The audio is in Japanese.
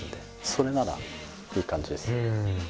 それならいい感じです。